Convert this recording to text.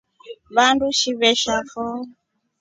Vandu shivesha foo.